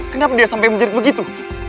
kenapa dia sampai menjerit begitu